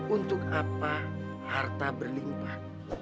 untuk apa harta berlimpah